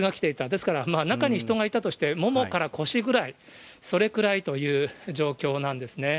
ですから、中に人がいたとして、ももから腰ぐらい、それくらいという状況なんですね。